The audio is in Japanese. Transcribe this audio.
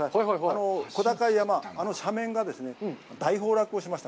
あの小高い山、あの斜面が大崩落をしました。